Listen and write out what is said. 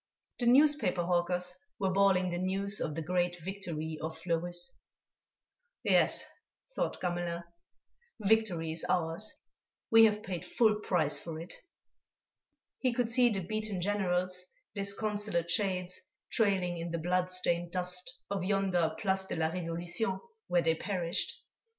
The newspaper hawkers were bawling the news of the great victory of Fleurus. "Yes," thought Gamelin, "victory is ours. We have paid full price for it." He could see the beaten Generals, disconsolate shades, trailing in the blood stained dust of yonder Place de la Révolution where they perished.